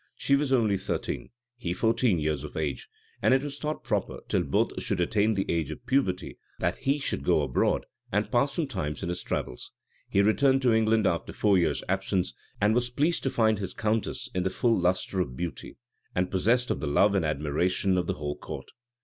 She was only thirteen, he fourteen years of age; and it was thought proper, till both should attain the age of puberty that he should go abroad, and pass some time in his travels.[*] He returned into England after four years' absence, and was pleased to find his countess in the full lustre of beauty, and possessed of the love and admiration of the whole court.